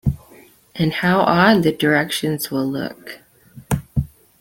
And how odd the directions will look!